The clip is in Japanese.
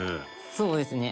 そうですね。